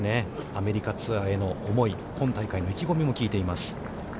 アメリカツアーへの思い、今大会の意気込みも聞いています。